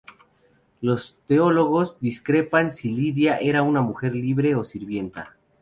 Los teólogos discrepan si Lidia era una mujer libre o sirvienta.